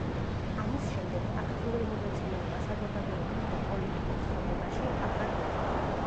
ამის შემდეგ აქტიური მონაწილეობა საზოგადოებრივ და პოლიტიკურ ცხოვრებაში აღარ მიუღია.